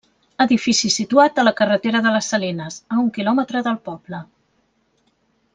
Edifici situat a la carretera de les Salines, a un quilòmetre del poble.